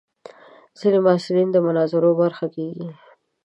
ځینې محصلین د مناظرو برخه کېږي.